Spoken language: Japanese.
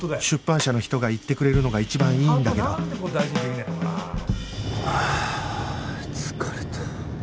出版社の人が言ってくれるのが一番いいんだけどはあ疲れた。